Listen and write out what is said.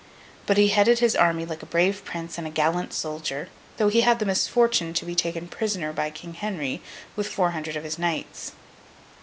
But he headed his army like a brave prince and a gallant soldier, though he had the misfortune to be taken prisoner by King Henry, with four hundred of his Knights.